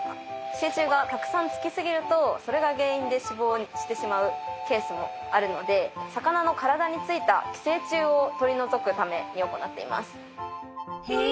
寄生虫がたくさんつき過ぎるとそれが原因で死亡してしまうケースもあるので魚の体についた寄生虫を取り除くために行っています。